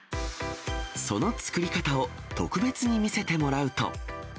その作り方を特別に見せてもらうと。